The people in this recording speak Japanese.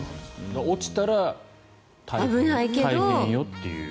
落ちたら大変よっていう。